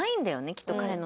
きっと彼の中で。